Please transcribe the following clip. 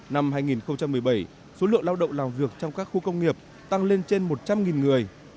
năm hai nghìn một mươi bảy số lượng lao động làm việc trong các khu công nghiệp tăng lên trên một trăm linh người